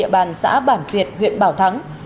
bằng xã bản việt huyện bảo thắng